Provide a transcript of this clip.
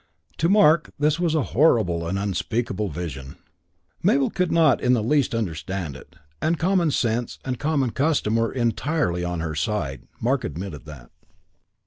To Mark this was a horrible and unspeakable vision. Mabel could not in the least understand it, and common sense and common custom were entirely on her side; Mark admitted that.